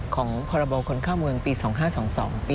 ของพคเข้าเมืองปี๒๕๒๒ปี๑๙๗๙